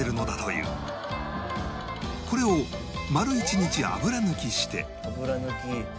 これを丸一日油抜きして